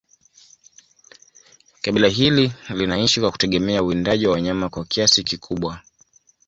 Kabila hili linaishi kwa kutegemea uwindaji wa wanyama kwa kiasi kikubwa